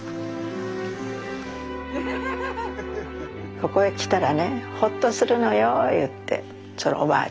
ここへ来たらねほっとするのよ言ってそのおばあちゃんが。